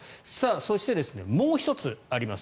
そして、もう１つあります。